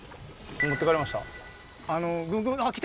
持ってかれました？